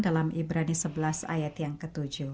dalam ibrani sebelas ayat yang ke tujuh